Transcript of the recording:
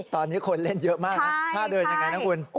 ตอนนี้คนเล่นเยอะมากนะท่าเดินยังไงนะคุณ